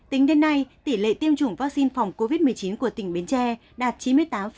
tính đến nay tỷ lệ tiêm chủng vaccine phòng covid một mươi chín của tỉnh bến tre đạt chín mươi tám